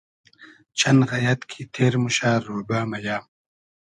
چئن غئیئد کی تیر موشۂ رۉبۂ مئیۂ